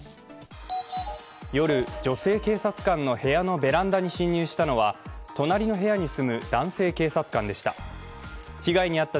夜、女性警察官の部屋のベランダに侵入したのは隣の部屋に住む男性警察官でした。